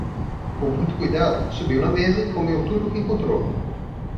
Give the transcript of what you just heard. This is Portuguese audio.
Com muito cuidado, subiu na mesa e comeu tudo o que encontrou.